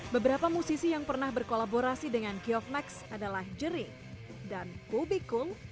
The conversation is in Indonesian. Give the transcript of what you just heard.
beberapa musisi yang pernah berkolaborasi dengan g of max adalah jeri dan bobby cool